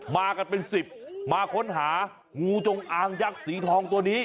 มากันเป็นสิบมาค้นหางูจงอางยักษ์สีทองตัวนี้